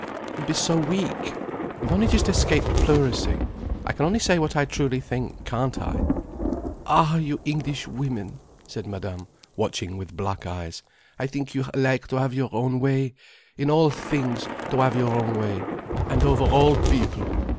"You'll be so weak. You've only just escaped pleurisy. I can only say what I truly think, can't I?" "Ah, you Englishwomen," said Madame, watching with black eyes. "I think you like to have your own way. In all things, to have your own way. And over all people.